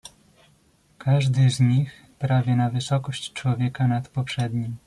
"Każdy z nich prawie na wysokość człowieka nad poprzednim."